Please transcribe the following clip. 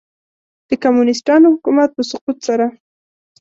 د کمونیسټانو حکومت په سقوط سره.